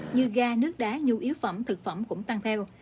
như ga nước đá nhu yếu phẩm thực phẩm cũng tăng theo